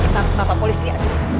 tante tante polisi ya